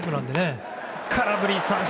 空振り三振。